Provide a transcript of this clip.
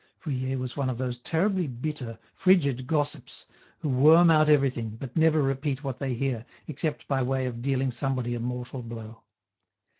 Vuillet was one of those terribly bitter, frigid gossips, who worm out everything, but never repeat what they hear, except by way of dealing somebody a mortal blow.